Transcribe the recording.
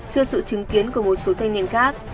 trước sự chứng kiến của một số thanh niên khác